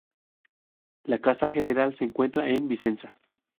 La casa general se encuentra en Vicenza.